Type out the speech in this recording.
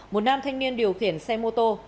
một nam thanh niên điều khiển xe mô tô